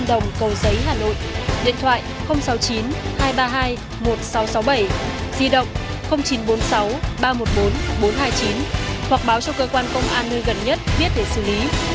điện thoại sáu mươi chín hai trăm ba mươi hai một nghìn sáu trăm sáu mươi bảy di động chín trăm bốn mươi sáu ba trăm một mươi bốn bốn trăm hai mươi chín hoặc báo cho cơ quan công an nơi gần nhất biết để xử lý